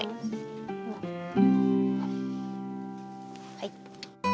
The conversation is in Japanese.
はい。